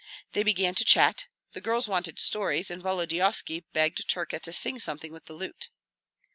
They began to chat; the girls wanted stories, and Volodyovski begged Terka to sing something with the lute.